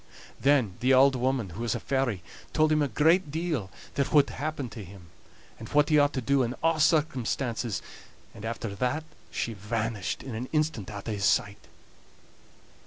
Then the auld woman, who was a fairy, told him a great deal that whould happen to him, and what he ought to do in a' circumstances; and after that she vanished in an instant out o' his sight.